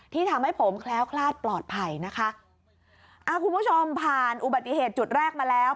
ที่ทำให้ผมแคล้วคลาดปลอดภัยนะคะอ่าคุณผู้ชมผ่านอุบัติเหตุจุดแรกมาแล้ว